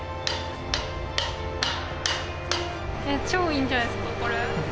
え超いいんじゃないですかこれ。